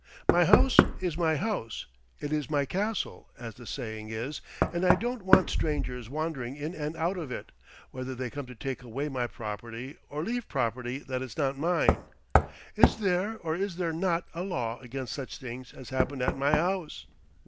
My house is my house it is my castle, as the saying is and I don't want strangers wandering in and out of it, whether they come to take away my property, or leave property that is not mine. Is there, or is there not, a law against such things as happened at my house?"